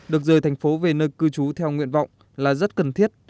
được rời thành phố về nơi cư trú theo nguyện vọng là rất cần thiết